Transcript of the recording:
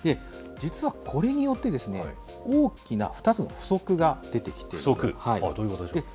実はこれによって、大きな２つの不足が出てきています。